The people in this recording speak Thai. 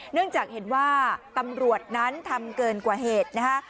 เนื่องจากเห็นว่าตำรวจนั้นทำเกินกว่าเหตุนะคะ